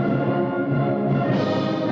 lagu kebangsaan indonesia raya